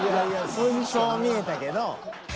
そう見えたけど。